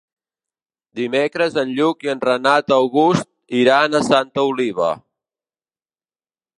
Dimecres en Lluc i en Renat August iran a Santa Oliva.